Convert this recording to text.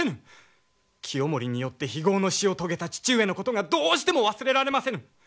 清盛によって非業の死を遂げた父上のことがどうしても忘れられませぬ！